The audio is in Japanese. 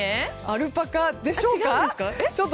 アルパカでしょうか？